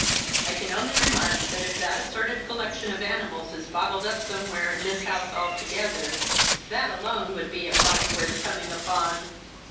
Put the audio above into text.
I can only remark that if that assorted collection of animals is bottled up somewhere in this house all together, that alone would be a find worth coming upon.